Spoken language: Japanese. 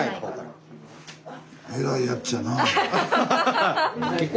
えらいやっちゃなあ。